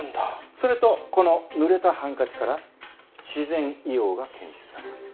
それとこの濡れたハンカチから自然硫黄が検出されました。